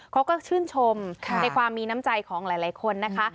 เขาก็ชื่นชมในความมีน้ำใจของหลายคนนะคะ